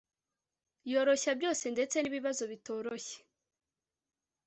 yoroshya byose, ndetse nibibazo bitoroshye